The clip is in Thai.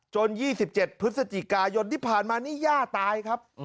๒๗พฤศจิกายนที่ผ่านมานี่ย่าตายครับ